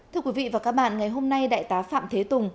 thưa quý vị và các bạn ngày hôm nay đại tá phạm thế tùng